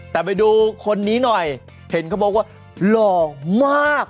แต่ไปดูคนนี้หน่อยเห็นเขาบอกว่าหล่อมาก